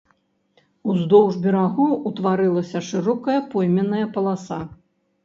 Уздоўж берагоў утварылася шырокая пойменная паласа.